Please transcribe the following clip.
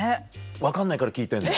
分かんないから聞いてんの。